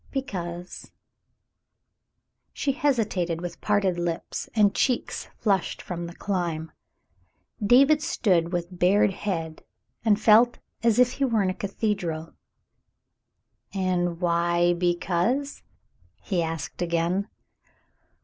Because." She hesitated with parted lips, and cheeks flushed from the climb. David stood with bared head. He felt as if he were in a cathedral. "And why because ?'' he asked again.